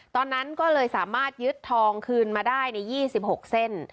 ตอนนั้นก็เลยสามารถยึดทองคืนมาได้ใน๒๖เส้น